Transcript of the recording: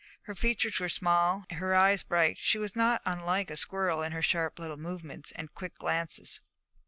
Her features were small, her eyes bright; she was not unlike a squirrel in her sharp little movements and quick glances.